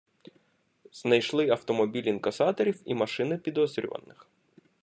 Знайшли автомобіль інкасаторів і машини підозрюваних.